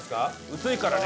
薄いからね。